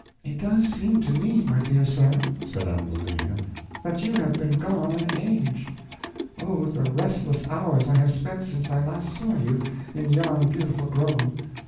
"It does seem to me, my dear sir," said Ambulinia, "that you have been gone an age. Oh, the restless hours I have spent since I last saw you, in yon beautiful grove.